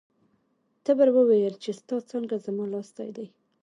تبر وویل چې ستا څانګه زما لاستی دی.